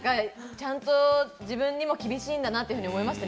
ちゃんと自分にも厳しいんだなと思いました。